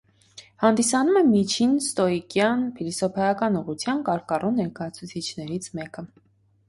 Հանդիսանում է միջին ստոիկյան փիլիսոփայական ուղղության կարկառուն ներկայացուցիչներից մեկը։